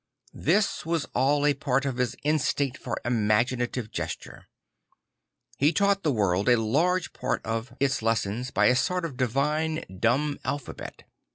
This was all a part of his instinct for imagina ti ve gesture. He taught the world a large part of lID St. Francis of Assisi its Jesson by a sort of divine dumb alphabet.